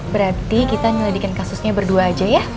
berarti kita nyelidikin kasusnya berdua aja ya